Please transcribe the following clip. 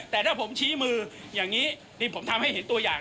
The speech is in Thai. แต่ถ้าผมชี้มืออย่างนี้นี่ผมทำให้เห็นตัวอย่าง